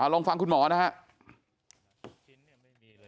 ลองฟังคุณหมอนะครับ